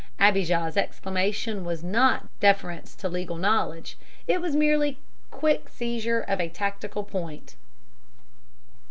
Abijah's exclamation was not deference to legal knowledge; it was merely quick seizure of a tactical point.